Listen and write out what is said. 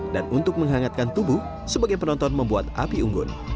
dan untuk menghangatkan tubuh sebagian penonton membuat api unggun